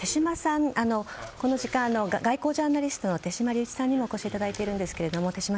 この時間外交ジャーナリストの手嶋龍一さんにもお越しいただいているんですが手嶋